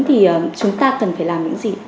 thì chúng ta cần phải làm những gì